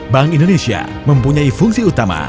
bank indonesia mempunyai fungsi utama